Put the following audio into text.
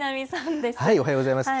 おはようございます。